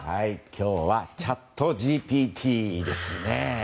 今日はチャットＧＰＴですね。